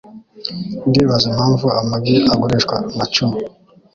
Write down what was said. Ndibaza impamvu amagi agurishwa na cumi.